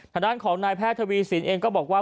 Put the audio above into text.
ทางด้านของนายแพทย์ทวีสินเองก็บอกว่า